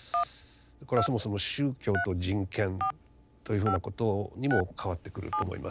これはそもそも宗教と人権というふうなことにも関わってくると思います。